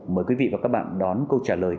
mời quý vị và các bạn đón câu trả lời